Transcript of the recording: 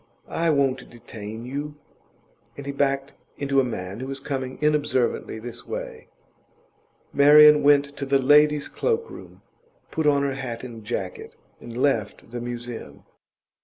I won't detain you.' And he backed into a man who was coming inobservantly this way. Marian went to the ladies' cloak room, put on her hat and jacket, and left the Museum.